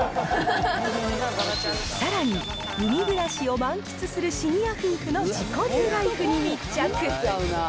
さらに、海暮らしを満喫するシニア夫婦の自己流ライフに密着。